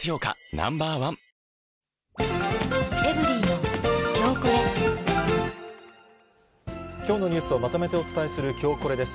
ＮＯ．１きょうのニュースをまとめてお伝えする、きょうコレです。